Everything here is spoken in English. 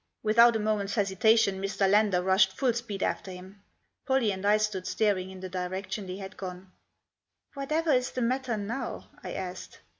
Without a moment's hesitation Mr. Lander rushed full speed after him. Pollie and I stood staring in the direction they had gone. "Whatever is the matter now?" I asked.